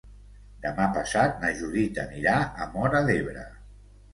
Demà passat na Judit anirà a Móra d'Ebre.